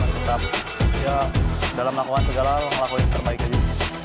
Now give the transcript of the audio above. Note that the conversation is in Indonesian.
tetap ya dalam lakukan segala hal lakukan yang terbaik aja